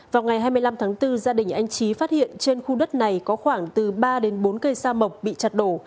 vào ngày hai mươi năm tháng bốn gia đình anh trí phát hiện trên khu đất này có khoảng từ ba đến bốn cây sa mộc bị chặt đổ